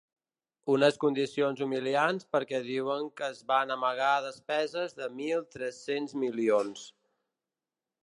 Unes condicions humiliants perquè diuen que es van amagar despeses de mil tres-cents milions.